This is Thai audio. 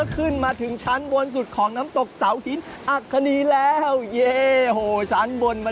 คุณผู้ชมอย่างไรครับ